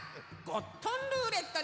ゴットンルーレット？